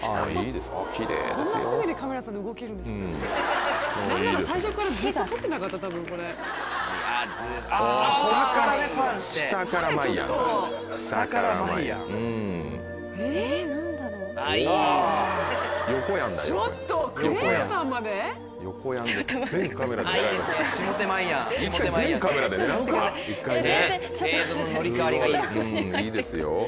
いいですよ。